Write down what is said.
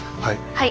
はい。